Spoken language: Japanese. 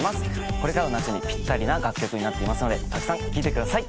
これからの夏にぴったりな楽曲になっていますのでたくさん聴いてください。